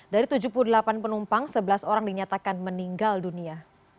dari tujuh puluh delapan penumpang sebelas orang dinyatakan meninggal dunia